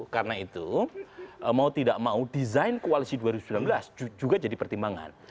karena itu mau tidak mau desain koalisi dua ribu sembilan belas juga jadi pertimbangan